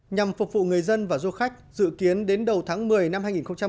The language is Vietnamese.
nhằm phục vụ người dân và du khách dự kiến đến đầu tháng một mươi năm hai nghìn hai mươi